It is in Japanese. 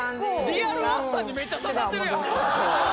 リアルおっさんにめっちゃ刺さってるやん。